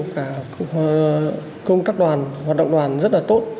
cả công các đoàn hoạt động đoàn rất là tốt